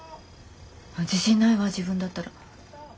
自信ないわぁ自分だったら。